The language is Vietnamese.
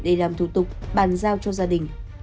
để làm thủ tục bàn giao cho gia đình